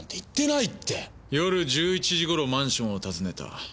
夜１１時頃マンションを訪ねた。